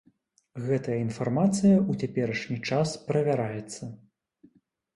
Гэтая інфармацыя ў цяперашні час правяраецца.